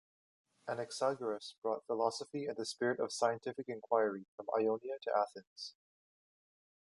Anaxagoras brought philosophy and the spirit of scientific inquiry from Ionia to Athens.